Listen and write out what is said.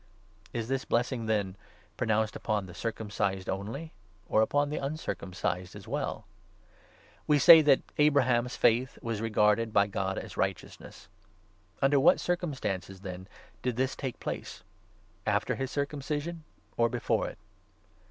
8 Is this blessing, then, pronounced upon the circumcised only 9 or upon the uncircumcised as well ? We say that —' Abraham's faith was regarded by God as righteousness.' Under what circumstances, then, did this take place? after 10 his circumcision or before it